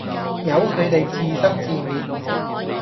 由佢地自生自滅